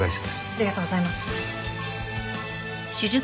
ありがとうございます。